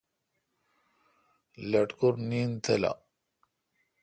لٹکور نیند تیلو۔